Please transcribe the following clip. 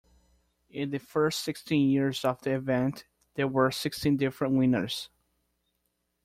In the first sixteen years of the event, there were sixteen different winners.